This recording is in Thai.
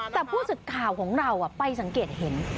แต่ผู้สึกข่าวของเราไปสังเกตเห็น